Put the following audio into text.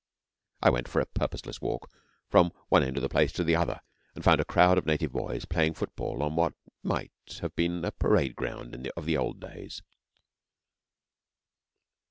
I went for a purposeless walk from one end of the place to the other, and found a crowd of native boys playing football on what might have been a parade ground of old days.